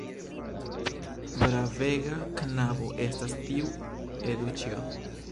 Bravega knabo estas tiu Eduĉjo!